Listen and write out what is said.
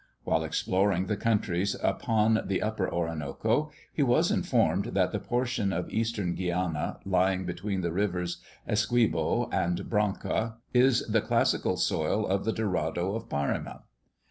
While exploring the countries upon the Upper Orinoco, he was informed that the portion of Eastern Guiana, lying between the rivers Essequibo and Branca is 'the classical soil of the Dorado of Parima.'